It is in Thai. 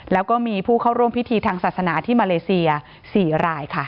แล้วก็มีผู้เข้าร่วมพิธีทางศาสนาที่มาเลเซีย๔รายค่ะ